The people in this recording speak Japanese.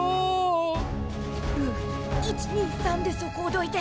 ルー１２３でそこをどいて。